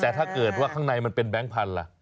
แต่ถ้าเกิดว่าข้างในมันเป็นแบงค์พันธุ์ล่ะ